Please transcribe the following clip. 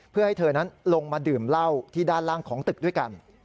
เพื่อให้เธอนั้นลงมาดื่มเหล้าที่ด้านล่างของตึกด้วยกัน